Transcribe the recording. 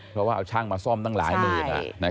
เพราะว่าเอาช่างมาซ่อมตั้งหลายหมื่น